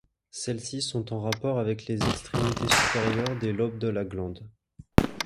Celles-ci sont en rapport avec les extrémités supérieures des lobes de la glande.